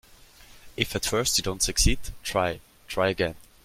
If at first you don't succeed, try, try again.